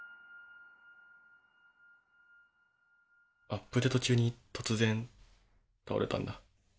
アップデート中に突然倒れたんだ。